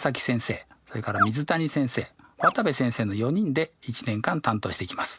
それから水谷先生渡部先生の４人で一年間担当していきます。